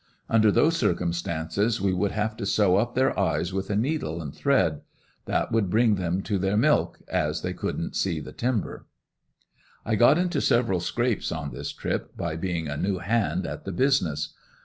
Under those circumstances we would have to sew up their eyes with a needle and thread. That would bring them to their milk, as they couldn't see the timber. I got into several scrapes on this trip, by being a new hand at the business.